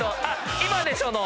今でしょの。